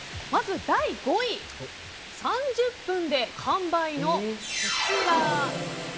第５位３０分で完売のこちら。